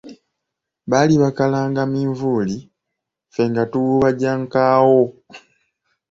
Baali bakalanga minvuuli, Ffe nga tuwuuba gya nkaawo.